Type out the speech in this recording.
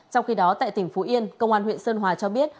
trong khi đó tại tỉnh phú yên công an huyện sơn hòa cho biết